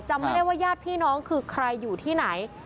จำไม่ได้ว่าญาติพี่น้องคือใครอยู่ที่ไหน